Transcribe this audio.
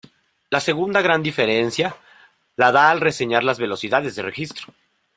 La segunda gran diferencia la da al reseñar las velocidades de registro.